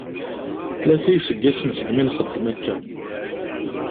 Tlata iseggasen segmi nxeddem akka.